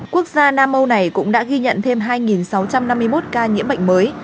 quốc gia nam âu này cũng đã ghi nhận thêm hai sáu trăm năm mươi một ca nhiễm bệnh mới